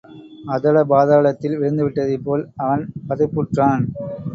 அதல பாதாளத்தில் விழுந்துவிட்டதைப் போல் அவன் பதைப்புற்றான்.